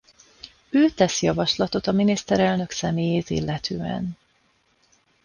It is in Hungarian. Ő tesz javaslatot a miniszterelnök személyét illetően.